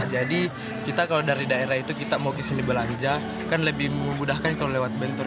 jadi kita kalau dari daerah itu kita mau kesini belanja kan lebih memudahkan kalau lewat bentor